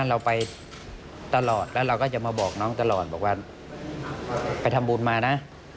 เราไปตลอดแล้วเราก็จะมาบอกน้องตลอดบอกว่าไปทำบุญมานะ